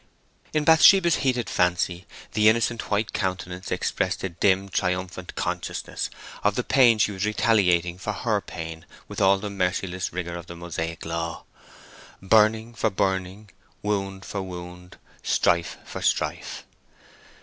In Bathsheba's heated fancy the innocent white countenance expressed a dim triumphant consciousness of the pain she was retaliating for her pain with all the merciless rigour of the Mosaic law: "Burning for burning; wound for wound: strife for strife."